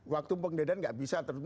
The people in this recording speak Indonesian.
waktu pengendaraan nggak bisa